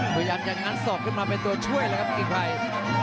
ก็ยังอย่างงั้นสอบขึ้นมาเป็นตัวช่วยแล้วครับกิ๊กไภย์